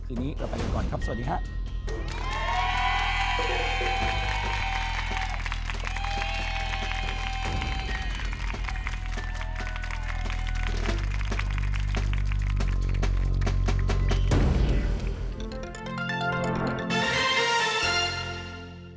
คืนนี้เราไปกันก่อนครับสวัสดีครับ